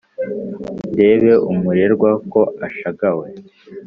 ndebe umurerwa ko ashagawe